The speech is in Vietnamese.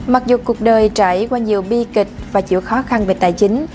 mặc dù cuộc đời trải qua nhiều bi kịch và chịu khó khăn về tài chính